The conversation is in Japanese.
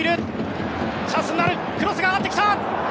クロスが上がってきた！